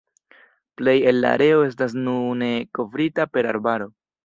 Plej el la areo estas nune kovrita per arbaro.